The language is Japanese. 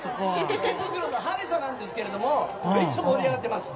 池袋のＨａｒｅｚａなんですけれどもめちゃ盛り上がってます。